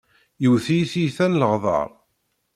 Yewwet-iyi tiyita n leɣder.